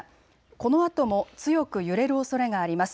このあとも強く揺れるおそれがあります。